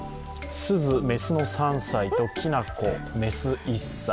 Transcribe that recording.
すず、メスの３歳ときなこ、メスの１歳。